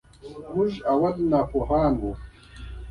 موږ لومړی ناپوهان وو .